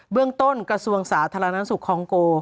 เรื่องต้นกระทรวงสาธารณสุขคองโก